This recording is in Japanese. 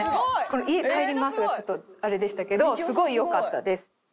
この「家帰りまーす」がちょっとあれでしたけどすごいよかったです。